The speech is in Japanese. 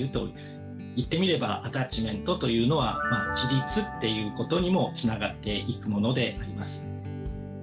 言ってみればアタッチメントというのは自立っていうことにもつながっていくものであります。